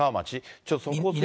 ちょっとそこ。